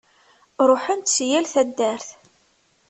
Ṛuḥen-d si yal taddart.